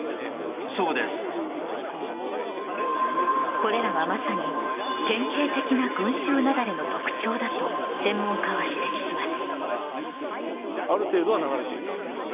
これらは、まさに典型的な群衆雪崩の特徴だと専門家は指摘します。